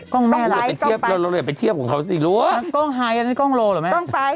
กล้องแม่อะไรกล้องไฮฟกล้องไฮฟกล้องไฮฟอันนี้กล้องโลหรอแม่กล้องไฮฟ